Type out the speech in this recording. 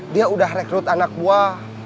dia udah rekrut anak buah